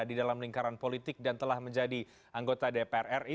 di dalam lingkaran politik dan telah menjadi anggota dpr ri